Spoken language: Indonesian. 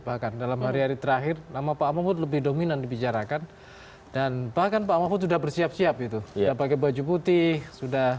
bahkan dalam hari hari terakhir nama pak mahfud lebih dominan dibicarakan dan bahkan pak mahfud sudah bersiap siap itu sudah pakai baju putih sudah